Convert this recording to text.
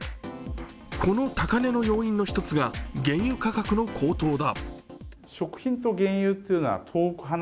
この高値の要因の一つが原油価格の高騰だ。